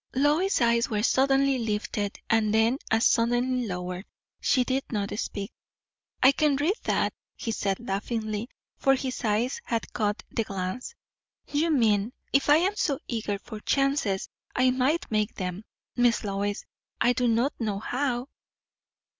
Lois's eyes were suddenly lifted, and then as suddenly lowered; she did not speak. "I can read that," he said laughingly, for his eyes had caught the glance. "You mean, if I am so eager for chances, I might make them! Miss Lois, I do not know how."